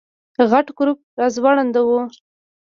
غټ ګروپ راځوړند و.